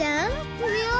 たべよう！